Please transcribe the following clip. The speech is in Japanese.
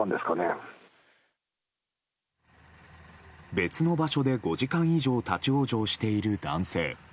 別の場所で５時間以上立ち往生している男性。